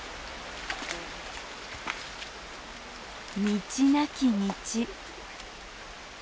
道なき道。